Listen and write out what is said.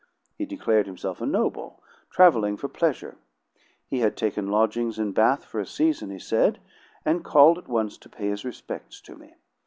He declared himself a noble traveling for pleasure. He had taken lodgings in Bath for a season, he said, and called at once to pay his respects to me.